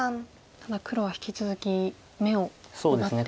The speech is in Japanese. ただ黒は引き続き眼を奪って。